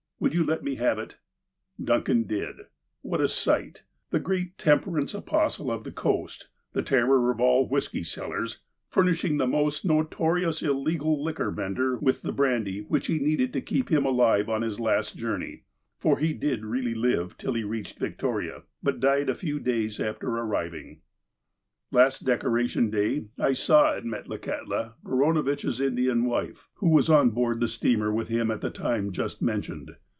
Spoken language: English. Would you let me have it ?" Duncan did. What a sight ! The great temperance apostle of the coast, the terror of all whiskey sellers, fur nishing the most notorious illegal liquor vendor with the brandy which he needed to keep him alive on his last journey. For lie did really live till he reached Victoria, but died a few days after arriving. HOW MR. DUNCAN BECAME A JUDGE 201 Last Decoration Day I saw at Metlakahtla Barano vitch's Indian wife, who was on board the steamer with him at the time just mentioned.